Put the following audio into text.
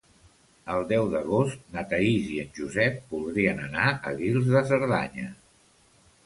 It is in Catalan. El deu d'agost na Thaís i en Josep voldrien anar a Guils de Cerdanya.